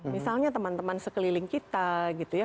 misalnya teman teman sekeliling kita gitu ya